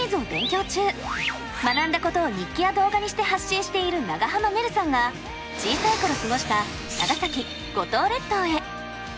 学んだことを日記や動画にして発信している長濱ねるさんが小さい頃過ごした長崎・五島列島へ。